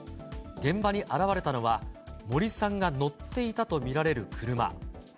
現場に現れたのは、森さんが乗っていたと見られる車。